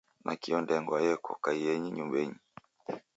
Nakio ndengwa yeko, kaiyenyi nyumbenyi